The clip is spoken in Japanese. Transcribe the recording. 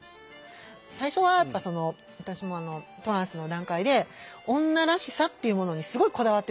最初はやっぱ私もトランスの段階で「女らしさ」っていうものにすごいこだわってたんですよ。